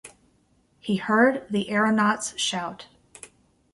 He heard the aeronauts shout.